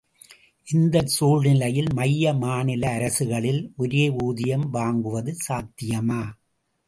இந்தச் சூழ்நிலையில் மைய மாநில அரசுகளில் ஒரே ஊதியம் வாங்குவது சாத்தியமா?